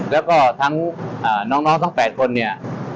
แล้วก็ทั้งน้องทั้ง๘คนเนี่ย